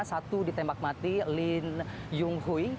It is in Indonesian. satu ditembak mati lin yung hui